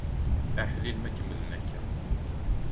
Aḥlil ma kemmlen akka!